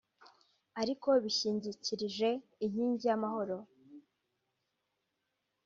ariko byishingikirije inkingi y’amahoro